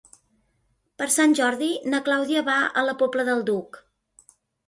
Per Sant Jordi na Clàudia va a la Pobla del Duc.